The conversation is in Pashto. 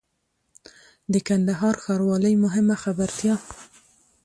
د کندهار ښاروالۍ مهمه خبرتيا